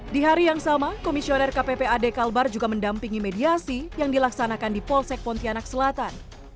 di hari yang sama komisioner kppad kalbar juga mendampingi mediasi yang dilaksanakan di polsek pontianak selatan